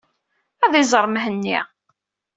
Ad iẓer Mhenni.